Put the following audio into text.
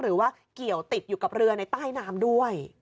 หรือว่าเกี่ยวติดอยู่กับเรือในใต้น้ำด้วย